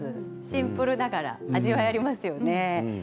シンプルながら味わいがありますよね。